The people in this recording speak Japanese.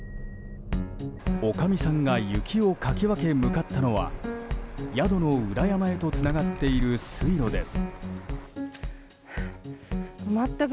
おかみさんが雪をかき分け向かったのは宿の裏山へとつながっている水路です。